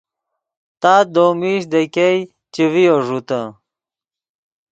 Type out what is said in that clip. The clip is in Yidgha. تات دؤ میش دے ګئے چے ڤیو ݱوتے